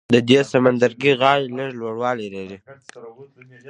د دې سمندرګي غاړې لږ لوړوالی لري.